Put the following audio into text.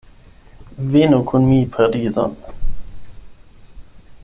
Venu kun mi Parizon.